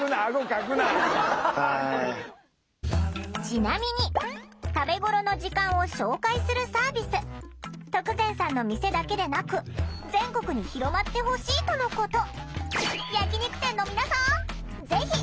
ちなみに食べごろの時間を紹介するサービス徳善さんの店だけでなく全国に広まってほしいとのこと。